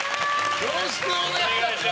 よろしくお願いします。